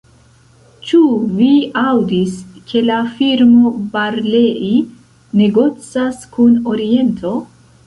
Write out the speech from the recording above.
Ĉu vi aŭdis, ke la firmo Barlei negocas kun Oriento?